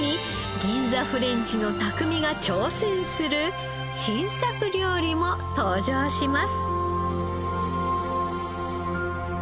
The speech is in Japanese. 銀座フレンチの匠が挑戦する新作料理も登場します。